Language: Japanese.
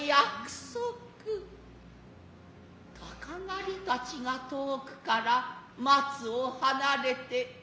鷹狩たちが遠くから松を離れて其の